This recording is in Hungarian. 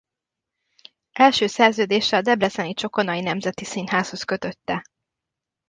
Első szerződése a debreceni Csokonai Nemzeti Színházhoz kötötte.